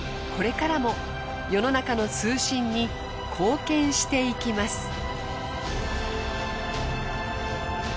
これからも世の中の通信に貢献していきます。